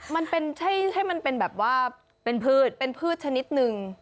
มันเป็นให้มันเป็นแบบว่าเป็นพืชเป็นพืชชนิดนึง